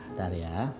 ayah mau ngapain